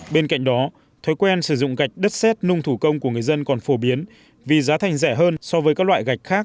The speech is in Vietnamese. bên cạnh đó thói quen sử dụng gạch đất xét nung thủ công của người dân còn phổ biến vì giá thành rẻ hơn so với các loại gạch khác